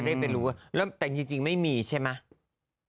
ถึงจะได้รู้แต่เขาบอกไม่มีใช่มั้ย